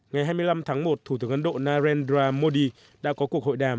ngày hai mươi năm tháng một thủ tướng ấn độ narendra modi đã có cuộc hội đàm